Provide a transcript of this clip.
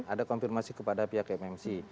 ada konfirmasi kepada pihak mmc